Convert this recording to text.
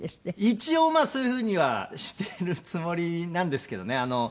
一応まあそういうふうにはしているつもりなんですけどね。